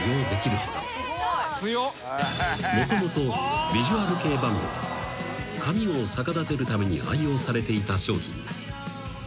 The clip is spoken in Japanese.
［もともとビジュアル系バンドが髪を逆立てるために愛用されていた商品］